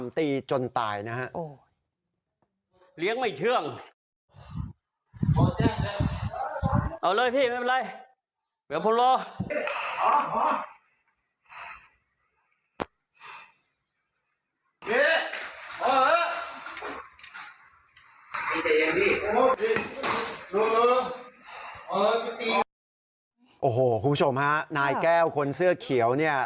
อ่ะไม่ได้ยังพี่อ๋อพี่โอ้โหคุณผู้ชมฮะนายแก้วคนเสื้อเขียวเนี่ย